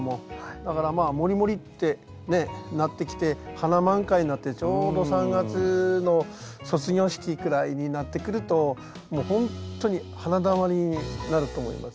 だからまあもりもりってなってきて花満開になってちょうど３月の卒業式くらいになってくるともうほんとに花だまりになると思います。